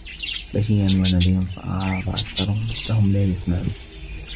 بَشيرًا وَنَذيرًا فَأَعرَضَ أَكثَرُهُم فَهُم لا يَسمَعونَ